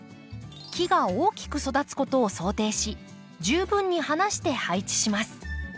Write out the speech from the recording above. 木が大きく育つことを想定し十分に離して配置します。